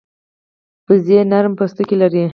وزې نرم پوستکی لري